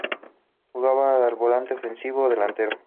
Jugaba de volante ofensivo o delantero.